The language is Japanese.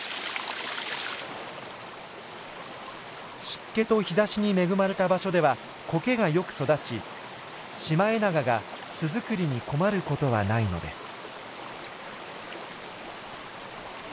湿気と日ざしに恵まれた場所ではコケがよく育ちシマエナガが巣作りに困ることはないのです。